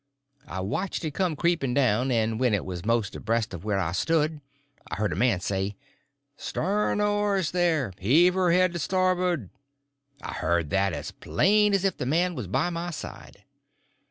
I watched it come creeping down, and when it was most abreast of where I stood I heard a man say, "Stern oars, there! heave her head to stabboard!" I heard that just as plain as if the man was by my side.